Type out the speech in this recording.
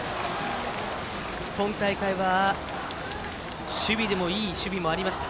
今大会は守備でもいい守備がありました。